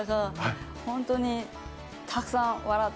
本当にたくさん笑って。